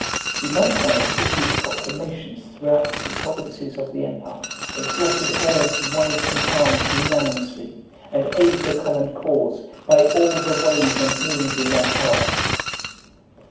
He likewise issued proclamations throughout the provinces of the empire, exhorting all to rise in arms unanimously, and aid the common cause, by all the ways and means in their power.